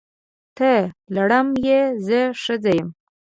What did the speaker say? ته لړم یې! زه ښځه یم.